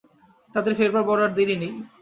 তাদের ফেরবার বড়ো আর দেরি নেই।